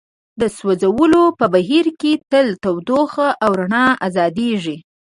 د سوځولو په بهیر کې تل تودوخه او رڼا ازادیږي.